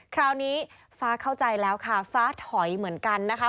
คราวนี้ฟ้าเข้าใจแล้วค่ะฟ้าถอยเหมือนกันนะคะ